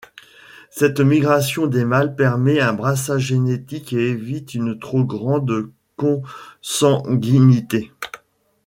Cette migration des mâles permet un brassage génétique et évite une trop grande consanguinité.